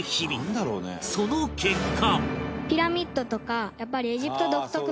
その結果